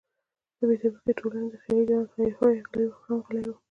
د بې طبقې ټولنې د خیالي جنت هیا هوی هم غلی وو.